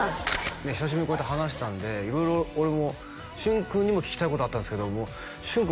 久しぶりにこうやって話したんで色々俺も旬君にも聞きたいことあったんですけど旬君